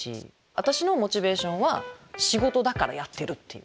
私のモチベーションは仕事だからやってるっていう。